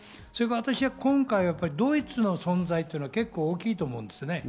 それから私は今回、ドイツの存在は結構大きいと思うんです。